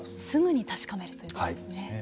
すぐに確かめるということですね。